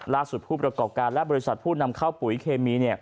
ล่าสูตรผู้ประกอบการณ์และบริษัทผู้นำเข้าผุยเคมี